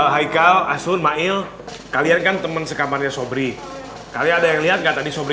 hai kal asun mail kalian kan temen sekamarnya sobri kalian ada yang lihat gak tadi sobri